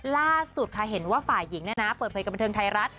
ล่าสุดค่ะเห็นว่าฝ่ายหญิงเนี่ยนะเปิดเผยกับบันเทิงไทยรัฐ